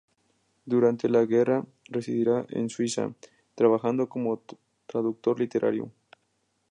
Durante la guerra residirá en Suiza, trabajando como traductor literario.